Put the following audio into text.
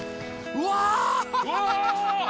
うわ！